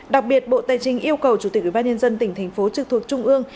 đặc biệt bộ tài chính yêu cầu chủ tịch ubnd tỉnh thành phố trực thuộc trung ương